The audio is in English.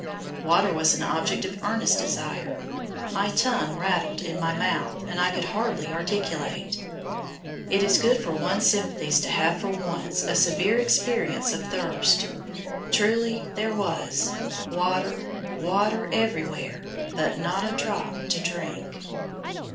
Water was an object of earnest desire. My tongue rattled in my mouth, and I could hardly articulate. It is good for one's sympathies to have for once a severe experience of thirst. Truly, there was Water, water, everywhere, But not a drop to drink.